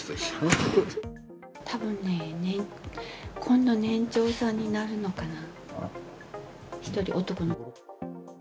たぶんね、今度、年長さんになるのかな、１人、男の子。